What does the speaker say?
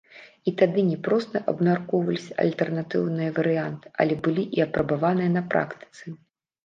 І тады не проста абмяркоўваліся альтэрнатыўныя варыянты, але і былі апрабаваныя на практыцы.